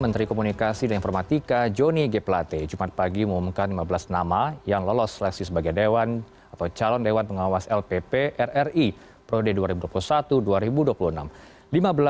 menteri komunikasi dan informatika joni g plate jumat pagi mengumumkan lima belas nama yang lolos seleksi sebagai dewan atau calon dewan pengawas lpp rri prode dua ribu dua puluh satu dua ribu dua puluh enam